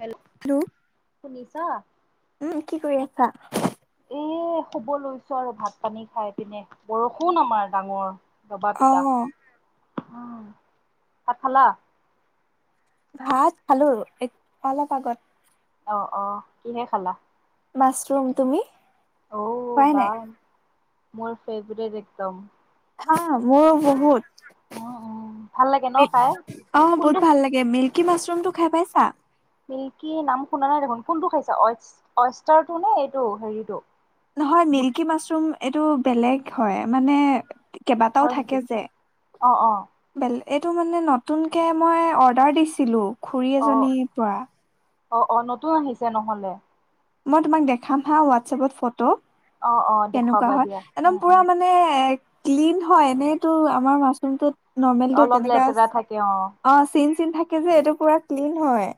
Hello, শুনিছ? উম কি কৰি আছা? এ শুব লৈছো আৰু ভাত পানী খাই পিনে বৰষুণ আমাৰ ডাঙৰ। ববা পিতা অ' অ ভাত খালা? ভাত খালো, এক অলপ আগত। অ অ কিহে খালা। মাছৰুম, তুমি? ঔ খোৱাই বা নাই মোৰ ফেভৰেট একদম। হা মোৰও বহুত। উম উম ভাল লাগে ন পেই, খাই? অ কোনটো বহুত ভাল লাগে মিল্কী মাছৰুমটো খাই পাইছা? কি? নাম শুনা নাই দেখোন কোনটো খাইছা? অয়েচ অয়েছটাৰ নে এইটো হেৰিটো? নহয় বুট মিল্কী মাছৰুম এইটো বেলেগ হয় মানে তি কেইবাটাও হয় নেকি? থাকে যে অ অ বেলে এইটো মানে নতুনকে মই অৰ্ডাৰ দিছিলোঁ। খুৰী অ এজনীৰ পৰা। অ অ নতুন আহিছে নহলে। মই তোমাক দেখাম হা হোৱাটছএপত ফটো। অ অ কেনেকুৱা দেখুৱাবা হয়। দিয়া একদম উম উম পুৰা মানে ক্লিন হয়, এনেইতোৰ আমাৰ মাছৰুমটোত নৰ্মেলটো অলপ তেনেকা আচ লেতেৰা থাকে অ চিন চিন থাকে যে এইটো পুৰা ক্লিন হয়।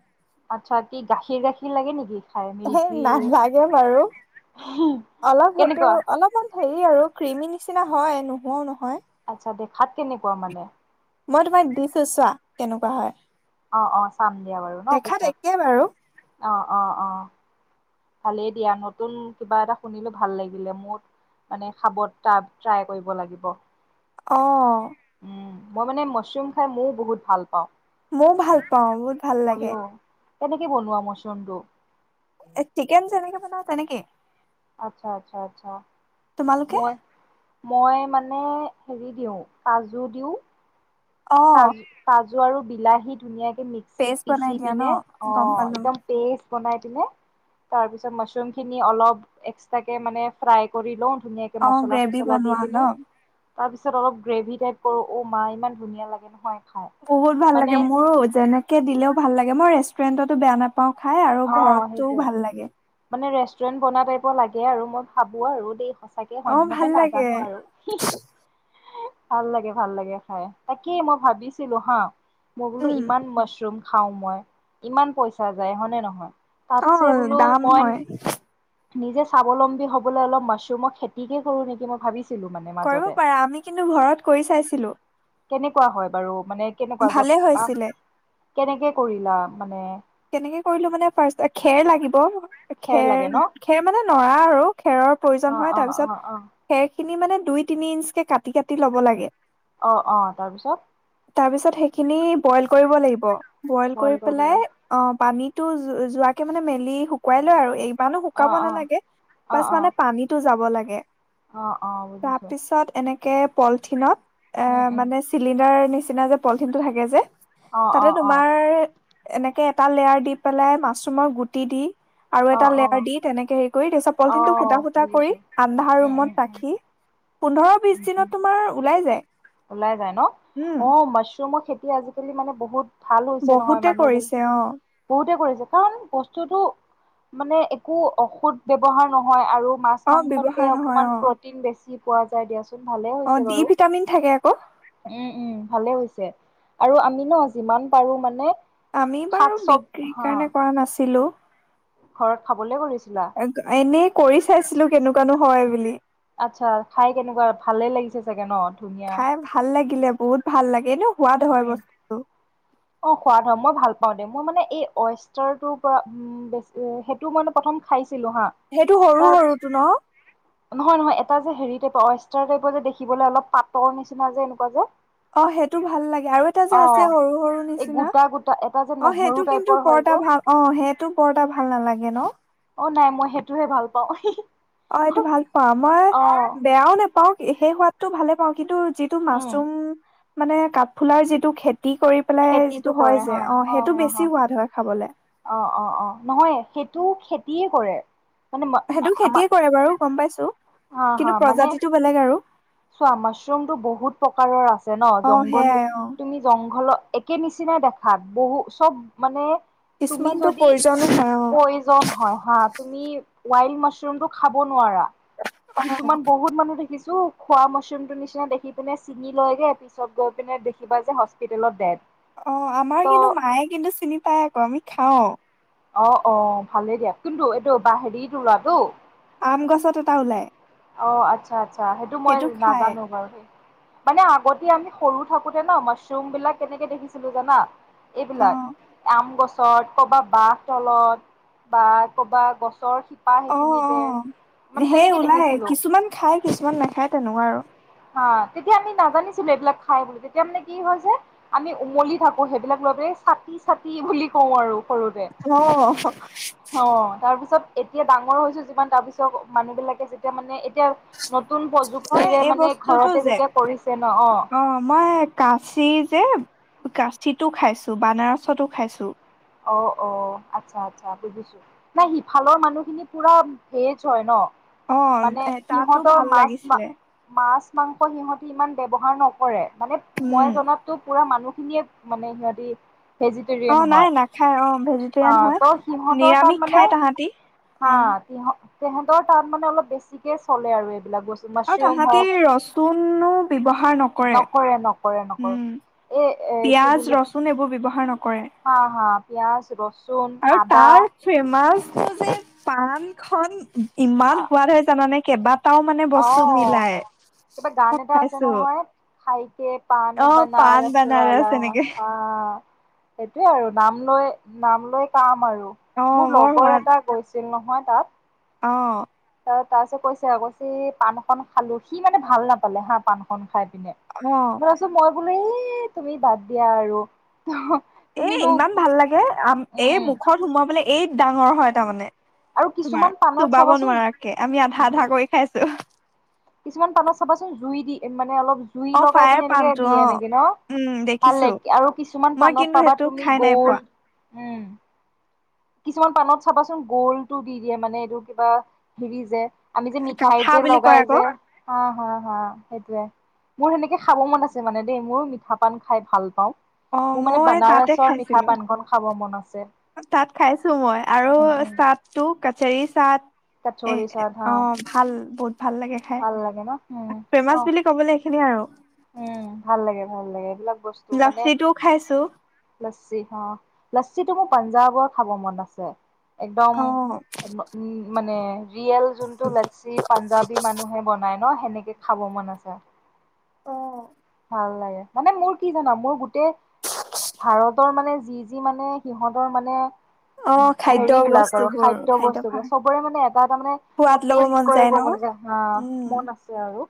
আচ্ছা কি গাখীৰ গাখীৰ লাগে নেকি? খাই হে মিল্কি নালাগে বাৰু, অলপ সেইটো কেনেকুৱা অলপমান হেৰি আৰু ক্ৰীমি নিচিনা হয় নোহোৱাও নহয়। আচ্ছা দেখাত কেনেকুৱা মানে? মই তোমাক দিছো চোৱা, কেনেকুৱা হয়। অ অ চাম দিয়া বাৰু ন দেখাত একে বাৰু পিছত অ অ অ। ভালেই দিয়া নতুন কিবা এটা শুনিলো ভাল লাগিলে মোৰ মানে খাব ট্ৰাই কৰিব লাগিব। অ। উম মই মানে মাছৰুম খাই মও বহুত ভাল পাওঁ। মৌ ভাল পাওঁ বহুত ভাল লাগে। ময়ো কেনেকে বনোৱা মছৰুমটো। চিকেন যেনেকে বনাও তেনেকে। আচ্ছা আচ্ছা আচ্ছা। তোমালোকে। মই মই মানে হেৰি দিওঁ কাজু দিওঁ। অ তাজ তাজ। জু আৰু বিলাহী ধুনীয়াকে। এই মিক্সিত পেষ্ট বনাই পিচি দিয়া ন পিনে অ গম পালো একদম পেষ্ট বনাই দিলে তাৰ পিছত মাচৰুম খিনি অলপ এক্সতাকে মানে ফ্ৰাই কৰি লও। অ গ্ৰেভি বনোৱা ন। তাৰ পিছত অলপ গ্ৰেভি টাইপ কৰো অ মা ইমান ধুনীয়া লাগে। নহয়। খাই বহুত ভাল মানে লাগে মোৰো যেনেকে দিলেও ভাল লাগে। মই ৰেষ্টুৰেণ্টতো বেয়া নাপাওঁ। খাই আৰু ঘৰতও ভাল লাগে। টুৰেণ্ট বনা টাইপৰ লাগে আৰু ভাবো আৰু দেই। চাগে অ হয়নে ভাল নহয় লাগে নাজানো আৰু হিহি ভাল লাগে ভাল লাগে খাই তাকেই মই ভাবিছিলো হা। মই বোলো উম ইমান মাছৰুম। খাও মই ইমান পইচা যায় হয়নে নহয়। হয়। অ দাম হয়। নিজে স্বাৱলম্বী হবলৈ অলপ মাছৰুমৰ খেতিকে কৰো নেকি মই ভাবিছো। কৰিব পাৰা আমি কিন্তু ঘৰত কৰি চাইছিলো। কেনেকোৱা হয় বাৰু। মানে কেনেকোৱা ভালে যত কাম হৈছিলে, কেনেকে কৰিলা। মানে কেনেকে কৰিলো মানে ফাৰ্ষ্ট টাইম খেৰ লাগিব। লাগে খেৰ ন খেৰ মানে নৰা আৰু খেৰৰ অ প্ৰয়োজন হয় অ তাৰপিছত, অ অ খেৰ খিনি মানে দুই তিনি ইঞ্চ কে কাটি কাটি ল'ব লাগে অ অ তাৰপিছত তাৰপিছত সেইখিনি বইল কৰিব লাগিব। বইল কৰি পেলাই অ পানীতো যোৱাকে মানে মেলি শুকুৱাই লয় আৰু এই মানুহ অ শুকাব অ নালাগে, অ বাছ অ মানে পানীটো যাব যাব লাগে। অ অ বুজিছো। কে পলিথিনত অ উম উম মানে চিলিণ্ডাৰ নিচ নিচিনা যে পলিথিনটো থাকে যে অ অ তাতে অ তোমাৰ এনেকে তাকে এটা লেয়াৰ দি পেলাই মাছৰুমৰ গুটি দি আৰু অ এটা অ লেয়াৰ দি তেনেকে হেৰি কৰি তাৰপিছত অ পলথিনটো ফুটা ফুটা কৰি বুজিছো আন্ধাৰ উম ৰুমত উম উম ৰাখি পোন্ধৰ বিশ উম উম দিনত তোমাৰ ওলাই যায়। ওলাই যায় ন, উম অ মাছৰুমৰ খেতি তি আজিকালি মানে বহুত ভাল হৈছে নহয় বহুতে মানুহবিল, কৰিছে অ বহুতে কৰিছে। কাৰণ বস্তুটো, মানে একো ঔষুধ ব্যয়ৱহাৰ নহয় আৰু মাছ অ মাংসতে ব্যৱহাৰ নহয় অকমান অ প্ৰটিন বেছি পোৱা যায় দিয়া চোন অ, ডি ভিটামিন থাকে আকৌ উম উম। উম ভালে হৈছে, আৰু আমি ন যিমান পাৰো মানে আমি শাক বাৰু চব বিক্ৰীৰ হা কাৰণে কৰা নাছিলো। ঘৰত খাবলে কৰিছোঁ এনেই কৰি চাইছিলো কেনেকুৱানো হয় বুলি? আচ্ছা, খাই কেনেকুৱা ভালে লাগিছে চাগে ন ধুনীয়া থাকিলে বহুত ভাল লাগে এনেও সোৱাদ হয় উম বস্তুটো অ সোৱাদ হয় মই ভাল পাও দে মই মানে এই ৱষ্টাৰৰ পৰা উে সেইটো মানে প্ৰথম খাইছো সেইটো সৰু সৰুটো ন নহয় নহয় এটা যে হেৰি টাইপৰ অৱষ্টাৰ টাইপৰ যে দেখিবলৈ অলপ পাটৰ নিচিনা যে এনেকুৱা যে। অ সেইটো ভাল লাগে আৰু এটা যে অ আছে সৰু সৰু এই নিচিনা গোটা গোটা এটা যে অ নহৰু সেইটো টাইপৰ কিন্তু হয় যে বৰ্তা ভাল, অ সেইটো বৰ্তা ভাল নালাগে ন? অ নাই মই সেইটোহে ভাল পাওঁ। অ এইটো ভাল পোৱা মই অ বেয়াও নেপাও সেই হোৱাত। তো ভালে পাওঁ কিন্তু। যিহেতু উম মাছৰুম। মানে কাঠফুলাৰ যিটো খেতি খেতি কৰি পেলাই খেতিটো যিটো কৰে হয় যে, হা অ সেইটো বেছি সোৱাদ হয় খাবলৈ। অ অ অ নহয় সেইটো খেতিয়ে কৰে। মানে সেইটো আমাৰ খেতিয়ে কৰে বাৰু গম পাইছো। হা হা কিন্তু মানে প্ৰজাতিটো বেলেগ আৰু চোৱা মাছৰুমতটো বহুত প্ৰকাৰৰ আছে ন অ জংঘলী সেয়াই অ তুমি জংঘলত একে নিচিনাই দেখাত বহু চব মানে তুমি কিছুমানতো যদি প্ৰয়োজনো হয় অ প্ৰয়োজন হয় হাত। তুমি ৱাইল্ড মাছৰুম টো খাব নোৱাৰা। অ কিছুমান বহুত মানুহ থ কিছু খোৱা মছৰুমটো নিচিনা দেখি পিনে চিঙি লৈগে পিছত গৈ পিনে দেখিবা যে হস্পিতেলত দে অ আমাৰ কিন্তু মায়ে কিন্তু চিনি পায় আকৌ আমি। খাওঁ। অ অ ভালেই দিয়া কিন্তু এইটো ব হেৰি তৰাটো? আম গছত এটা ওলাই। অঁ আচ্ছা আচছা সেইটো মই নাজানো বাৰু সেই মানে আগতে আমি সৰু থাকোতে ন মাছৰুম বিলাক কেনেকে দেখিছিলো জানা এইবিলাক অ আম গছ পছত ক'বা বাঁহ তলত বা ক'বা গছ ৰ শিপা অ অ সেইখিনিতে মানে সেই তেনেকে ওলাই দেখিছ কিছুমান খাই কিছুমান নাখায় তেনেকুৱা আৰু। অ তেতিয়া আমি নাজানিছিলো এইবিলাক খাই বুলি তেতিয়া মানে কি হয় যে আমি উমলি থাকো সেইবিলাক লৈ পেলাই চতি চতি বুলি কওঁ আৰু সৰুতে হাল অহ অ তাৰ পিছত এতিয়া ডাঙৰ হৈছো যিমান তাৰপিছত মানুহ বিলাকে যেতিয়া মানে এতিয়া। নতুন প্ৰযুক্তিৰে মানে ন টো টো ঘৰতে যে যেতিয়া কৰিছে অ মই কাচি যে কাচিতো খাইছো বানাৰসতো খাইছোঁ অ অ আচ্ছা আচ্ছা বুজিছো নাই সিফালৰ মানুহখিনি পুৰা ভেজ হয় ন অ মানে এ তাতো সিহঁতৰ ভাল মাছ মা লাগিছিলে মাছ মাংস সিহঁতি ইমান ব্যৱহাৰ নকৰে। মানে উম মই জনাতো পুৰা মানুহ খিনিয়ে মানে সিহঁতি ভেজিটেৰিয়ান হয় খাই অ ভেজিটেৰিয়ান অ', হয় ত' সিহঁতৰ তাত নিৰামিষ মানে খাই তাহাঁতি হা অ তিহ তেহেঁতৰ তাত মানে অলপ বেছিকে চলে আৰু এইবিলাক বস্তু আৰু মাছৰুম তাহাঁতি হওক ৰচুনো বিবহাৰ নকৰে নকৰে নকৰে উম পিয়াজ ৰচুন এইবোৰ বিৱহাৰ নকৰে হ হ পিয়াজ ৰচুন, আৰু আদা তাৰ ফেমাচ টোযে পাণ খন ইমান সোৱাদ হয় জানানে কেবা অ কিবা গান মই এটা আছে খাইছো নহয় খাইকে পান অ পাণ বানাৰাস বানাৰস ৱালা এনেকে সেইটোয়ে আৰু নাম লৈ নাম কৈ কাম আৰু অ মোৰ বৰ লগৰ সোৱাদ এটা গৈছে যেগ নহয় তাত অ তাৰ পিছত কৈছে আকৌ চি পাণ এখন খালো সি মানে ভাল নাপালে হা পাণ খন খাই ম অ মই কৈছোঁ মই বোলে এ তুমি বাদ দিয়া আৰু এ তুমিনো ইমান ভাল লাগে আম এ উম মুখত সোমোৱাবলে এই ডাঙৰ হয় তাৰমানে আৰু কিছুমান তোমাৰ পাণত চুবাব চাবাচোন নোৱাৰাকে আমি আধা আধা কৰি খাইছো। কিছুমান পানত চাবাচোন জুই দি মানে অলপ জুই অ লগাই ফায়াৰ পিনে এনেকে পাণটো দিয়ে অ এনেকে ন উম ভাল ল দেখিছো আৰু কিছুমান মই পাণত কিন্তু পাবা সেইটো তুমি খাই নাই গ'ল। পোৱা কিছুমান পাণত চাবাচোন গ'লটো দি দিয়ে। মানে এইটো কিবা হেৰি যে- আমি যে, মিঠাইত কাঠা যে, বুলি কয় লগাই আকৌ যে অঁ- অঁ, অঁ সেইটোয়ে। মোৰ সেনেকৈ খাব মন আছে মানে দেই। মই মিঠা পান খাই ভাল পাওঁ। অ মোৰ মানে মই বানাৰসৰ মিঠা পাণ খন খাব মন- আছে। তা'ত খাইছো মই। আৰু উম উম তা'ত তো- কৌচৰি- চাত- কচৰি এ' চাট হা অঁ ভাল বহুত- ভাল লাগে খাই। ভাল লাগে ন উম অ ফ্ৰেমাচ বুলি কবলৈ এইখিনিয়ে আৰু। উম' ভাল লাগে, ভাল লাগে। এইবিলাক- বস্তু মানে লাচিটোও খাইছো লাচ্ছী অঁ। লাচ্ছিটো মোক- পাঞ্জাৱৰ খাব মন আছে। একদম অ উম' মানে- ৰিয়েল যোনটো লাচ্ছী পাঞ্জাৱী মানুহে বনাই। ন' সেনেকৈ খাব মন আছে। ভাল লাগে। মানে মোৰ কি' জানা মোৰ গোটেই ভাৰতৰ মানে যি, যি মানে, সিহঁতৰ মানে- অ খাদ্য হেৰি বিলাক আৰু বস্তুবোৰ খাদ্য বস্তু বিলাক। খাদ্যভাৰ চবৰে মানে এটা, এটা মানে মোৰ সোৱাদ লব টেষ্ট মন যায় কৰিব ন মানে, উম মন আছে আৰু।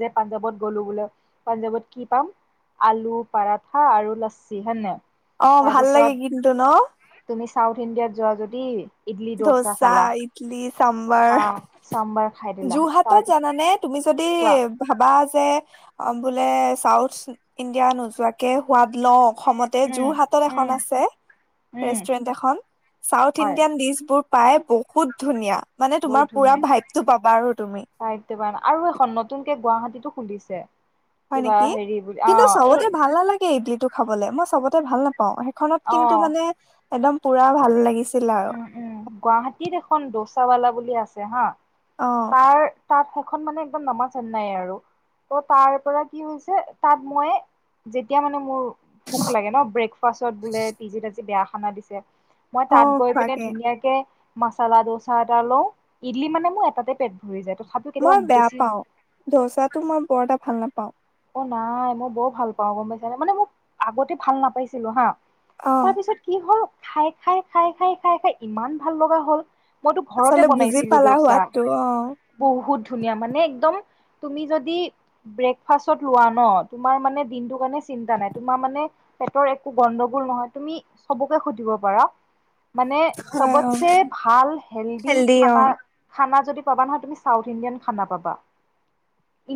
যে পাঞ্জাৱত গ'লো বোলে। পাঞ্জাৱত কি' পাম আলু পৰঠা আৰু লাচ্ছী হয় নাই। অ ভাল লাগে কিন্তু ন তাৰপিছত তুমি চাউথ ইণ্ডিয়াত যোৱা যদি- [unintelligible] দোচা ডৌচা, খালা ইটলি, চাম্বাৰ। হা চাম্বাৰ খাই দিলা যোৰহাটত তাৰ জানানে তুমি যদি কোৱা ভাবা- যে' বোলে চাউথ ইণ্ডিয়া নোযোৱাকে সোৱাদ লওঁ। অসমতে এ উম যোৰহাটত এখন উম আছে। উম ৰেষ্টুৰেণ্ট এখন, চাউথ হয় ইণ্ডিয়ানৰ- বোৰ পাই বহুত ধুনীয়া। মানে তোমাৰ বহুত পুৰা ধুনীয়া ভাইপটো পাবা আৰু তুমি। গুৱাহাটী তো খুলিছে। হয় কিবা নেকি। হেৰি বুলি অ কিন্তু এই চবতে ভাল নালাগে ইডলিটো- খাবলে। মই চবতে ভাল নাপওঁ। সেইখনত অ কিন্তু মানে- একদম পুৰা ভাল- আৰু উম, উম। গুৱাহাটীত এখন ডৌচাৱালা বুলি- আছে হাঁ। অ তাৰ তাত সেইখন মানে একদম নামাজ চেন্নাই আৰু ত তাৰ পৰা কি হৈছে তাত মই যেতিয়া মানে মোৰ ভুক লাগে ন ব্ৰেকফাষ্টত বোলে পিজিত আজি বেয়া খানা দিছে। মই অ তাত পিনে খোৱাকে ধুনীয়াকে মাচালা দচা এটা লও ইডলি মানে মোৰ এটাতে পেট ভৰি যায় ত মই বেয়া পাওঁ, ধৌচাটো মই বৰ এটা ভাল নাপাওঁ। অহ, নাই মই বৰ ভাল পাওঁ গম পাইছে মানে মোক আগতে ভাল নাপাইছিলো হা। অ তাৰপিছত কি হ'ল খাই-খাই-খাই-খাই-খাই খাই ইমান ভাল লগা হল। মইতো ঘৰতে আচলতে বুজি বনাইছিলো পালা ডোচা, সোৱাদটো অ বহুত ধুনীয়া মানে একদম তুমি যদি ব্ৰেক ফাচত লোৱা ন তোমাৰ মানে দিনটো কাৰণে চিন্তা নাই। তোমাৰ মানে পেটৰ একো গণ্ডগোল নহয় তুমি চবকে সুধিব পাৰা। মানে হয় অ চবতছে ভাল হেলডি হেল্ডি অ খানা-খানা পাবা নহ তুমি চাউথ ইণ্ডিয়ান খানা পাবা।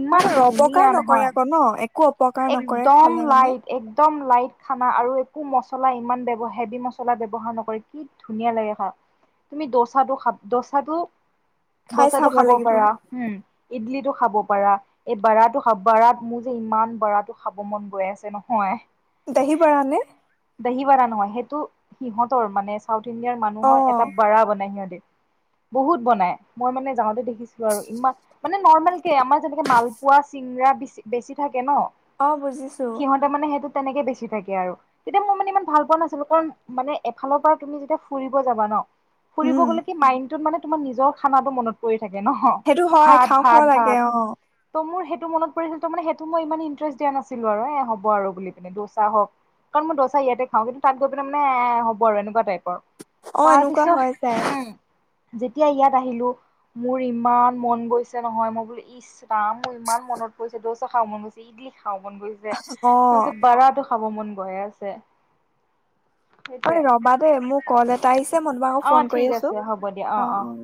ইমান ধুনীয়া নহয়। কৰে আকৌ ন একো অপকাৰ নকৰে একদম খালে মানে। লাইট একদম লাইট খানা আৰু একো মচলা ইমান ব্যৱ হেভি মচলা ব্যৱহাৰ নকৰে কি ধুনীয়া লাগে খাই। তুমি দচাটো খাব দচাটো খাই দচাটো চাব খাব লাগিব পাৰা, হুম। ইডলিটো খাব পাৰা, এই বাৰাটো বাৰাত মোৰ যে ইমান বাৰটো খাব মন গৈ আছে নহয়। দাহি বাৰা নে? ম সেইটো সিহঁতৰ মানে চাউত ইণ্ডিয়াৰ মানুহৰ অ এটা বাৰা বনাই সিহঁতি বহুত বনাই মই মানে যাওঁতে দেখিছিলো আৰু ইমান মানে নৰ্মেল কে আমাৰ যেনেকে মালপোৱা চিংৰা বেছি থাকে ন? অহ বুজিছোঁ। সিহঁতে মানে সেইটো তেনেকে বেছি থাকে আৰু। তেতিয়া মই মানে ইমান ভাল পোৱা নাছিলো কাৰণ মানে এফালৰ পৰা তুমি যেতিয়া ফুৰিব যাবা ন? ফুৰিব উম গ'লে কি মাইডটোত মানে তোমাৰ নিজৰ খানাটো মনত পৰি নহ। সেইটো হয় খাওঁ খাওঁ লাগে ভাত-ভাত-ভাত অ ত মোৰ সেই মনত পৰিছিল ত মানে সেইটো মই ইমান ইন্টাৰেষ্ট দিয়া নাছিলো আৰু এ হ'ব আৰু বুলি পিনে দচা হওক কাৰণই দোচা ইয়াতে খাওঁ কিন্তু তাত গৈ পি মানে এ হব আৰু এনেকুৱা টাইপৰ। অহ এনেকুৱা তাৰপিছত হয় যাই। উম যেতিয়া ইয়াত আহিলো মোৰ ইমান মন গৈছে নহয় মই বোলো ইছ ৰাম মোৰ ইমান মনত পৰিছে ডোচা খাব মন গৈছে ইডলি খাব মন গৈছে। ৰে অ তাপিছত বাৰা টো খাব মন গয়ে আছে। ঐ সেইটোৱে ৰবা দে মোৰ কল এটা আহিছে। মই তোমাক আকৌ অ ফোন ঠিক কৰি আছো। আছে হ'ব দিয়া অ অ অ-অ।